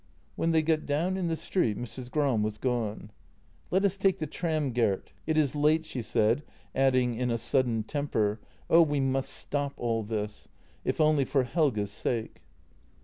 When they got down in the street Mrs. Gram was gone. "Let us take the tram, Gert; it is late," she said, adding in a sudden temper :" Oh, we must stop all this — if only for Helge's sake."